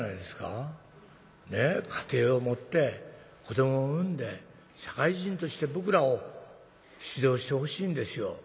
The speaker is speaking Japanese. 家庭を持って子どもを産んで社会人として僕らを指導してほしいんですよ。